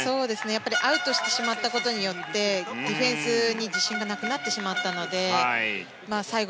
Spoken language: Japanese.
やっぱりアウトしてしまったことによってディフェンスに自信がなくなってしまったので最後、